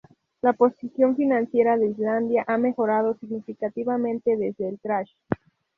La posición financiera de Islandia ha mejorado significativamente desde el "crash".